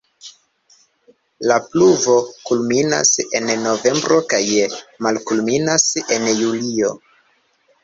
La pluvo kulminas en novembro kaj malkulminas en julio.